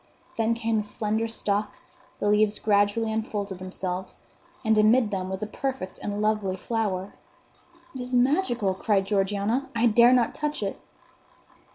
Then came the slender stalk; the leaves gradually unfolded themselves; and amid them was a perfect and lovely flower. "It is magical!" cried Georgiana. "I dare not touch it."